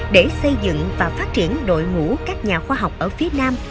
để xây dựng và phát triển đội ngũ các nhà khoa học ở phía nam